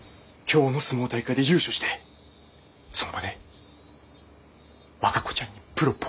今日の角力大会で優勝してその場で和歌子ちゃんにプロポーズする。